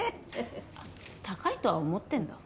あっ高いとは思ってるんだ。